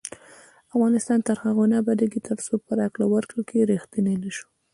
افغانستان تر هغو نه ابادیږي، ترڅو په راکړه ورکړه کې ریښتیني نشو.